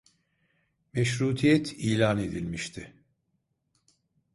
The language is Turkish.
Meşrutiyet ilan edilmişti.